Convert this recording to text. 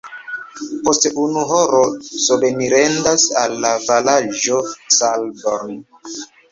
Post unu horo sobenirendas al la vilaĝo Saalborn.